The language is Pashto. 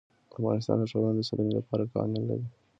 افغانستان د ښارونو د ساتنې لپاره قوانین لري.